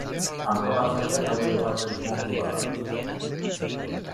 Antolatzailea Laudioko Atletismo Kluba da.